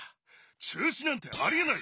中止なんてありえない。